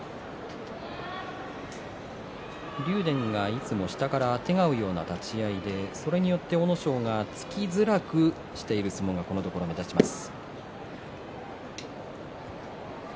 竜電がいつも下からあてがうような立ち合いでそれによって阿武咲が突きづらくしている相撲がこのところ目立ちます。